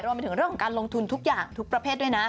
รวมไปถึงเรื่องของการลงทุนทุกอย่างทุกประเภทด้วยนะ